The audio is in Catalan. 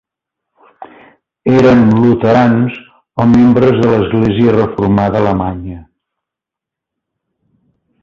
Eren luterans o membres de l'Església Reformada Alemanya.